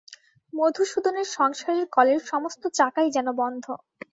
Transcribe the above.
মধুসূদনের সংসারের কলের সমস্ত চাকাই যেন বন্ধ।